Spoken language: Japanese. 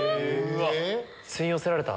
吸い寄せられた？